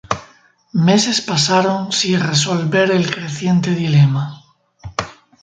Meses pasaron si resolver el creciente dilema.